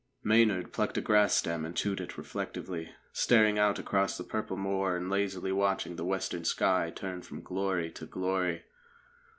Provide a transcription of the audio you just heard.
Maynard plucked a grass stem and chewed it reflectively, staring out across the purple moor and lazily watching the western sky turn from glory to glory.